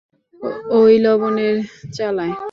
ঐ লবণের চালায়।